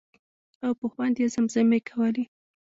او په خوند یې زمزمې کولې.